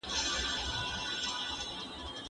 د پوهنتونونو لپاره نوی تعليمي نصاب چمتو سوی دی.